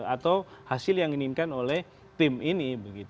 atau hasil yang diinginkan oleh tim ini